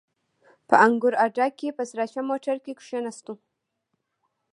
په انګور اډه کښې په سراچه موټر کښې کښېناستو.